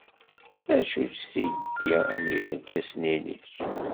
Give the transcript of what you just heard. D acu-tt tiddi n yerkasen-nnek?